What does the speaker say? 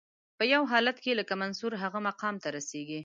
په یو حالت کې لکه منصور هغه مقام ته رسیږي.